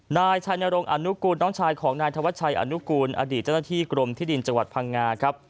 นายชัยนรงค์อนุกูลน้องชายของนายธวัชชัยอนุกูลอดีตเจ้าหน้าที่กรมที่ดินจังหวัดพังงาครับ